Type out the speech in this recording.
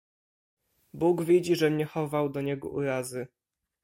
"Bóg widzi, żem nie chował do niego urazy."